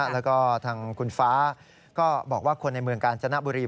แล้วก็ทางคุณฟ้าก็บอกว่าคนในเมืองกาญจนบุรี